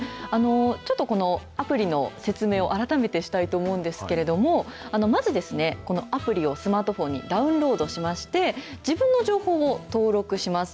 ちょっとこのアプリの説明を、改めてしたいと思うんですけれども、まずこのアプリをスマートフォンにダウンロードしまして、自分の情報を登録します。